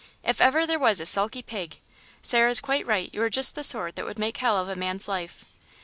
If ever there was a sulky pig! ...Sarah's quite right; you are just the sort that would make hell of a man's life."